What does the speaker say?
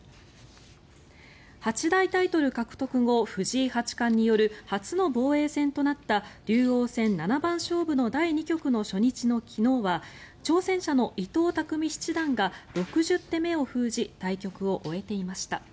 八大タイトル獲得後藤井八冠による初の防衛戦となった竜王戦七番勝負の第２局の初日の昨日は挑戦者の伊藤匠七段が６０手目を封じ対局を終えていました。